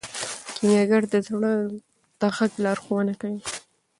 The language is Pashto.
کیمیاګر د زړه د غږ لارښوونه کوي.